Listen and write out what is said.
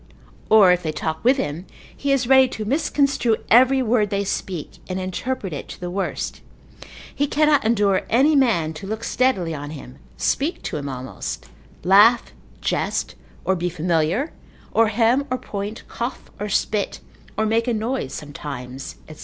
Or if they talk with him, he is ready to misconstrue every word they speak, and interpret it to the worst; he cannot endure any man to look steadily on him, speak to him almost, laugh, jest, or be familiar, or hem, or point, cough, or spit, or make a noise sometimes, &c.